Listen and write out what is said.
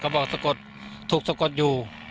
เขาบอกทุกตกอยู่